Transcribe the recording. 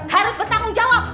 harus bertanggung jawab